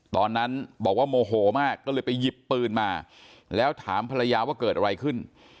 ตอนนั้นบอกว่าโมโหมากก็เลยไปหยิบปืนมาแล้วถามภรรยาว่าเกิดอะไรขึ้น